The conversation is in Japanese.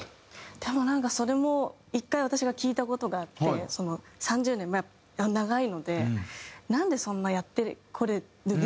でもなんかそれも１回私が聞いた事があって３０年長いので「なんでそんなやってこれるんですか？」